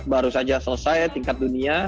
baru saja selesai tingkat dunia